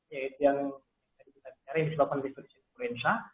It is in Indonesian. yaitu yang tadi kita bicara yang disebabkan oleh virus influenza